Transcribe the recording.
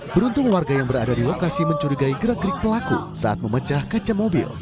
beruntung warga yang berada di lokasi mencurigai gerak gerik pelaku saat memecah kaca mobil